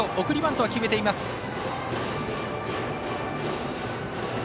送りバントは決めています。